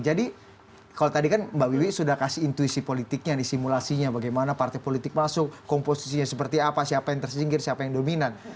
jadi kalau tadi kan mbak wiwi sudah kasih intuisi politiknya simulasinya bagaimana partai politik masuk komposisinya seperti apa siapa yang tersinggir siapa yang dominan